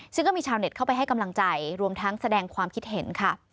ซึ่งก็มีชาวเน็ตเข้าไปให้กำลังใจรวมทั้งแสดงความคิดเห็นค่ะ